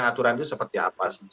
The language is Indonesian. aturan itu seperti apa sih